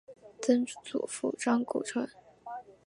曾祖父张谷成。